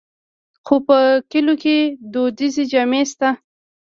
خو په کلیو کې دودیزې جامې شته.